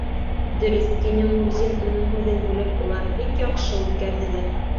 — Дөрөҫ, — тине Мурзин, уның һүҙен бүлеп, — улар бик яҡшы үткәрҙеләр.